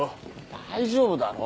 大丈夫だろ。